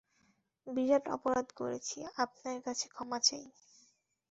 বিরাট অপরাধ করেছি, আপনার কাছে ক্ষমা চাই।